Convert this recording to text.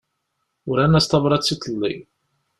Uran-as tabrat iḍelli.